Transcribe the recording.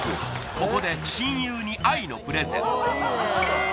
ここで親友に愛のプレゼント